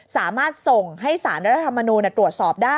สามารถส่งให้สารรัฐธรรมนูลตรวจสอบได้